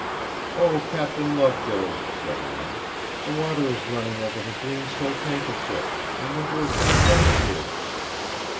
'O, Captain Loveday!' said Anne, 'the water is running over her green silk handkerchief, and into her pretty reticule!'